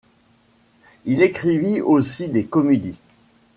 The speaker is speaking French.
Il écrivit aussi des comédies.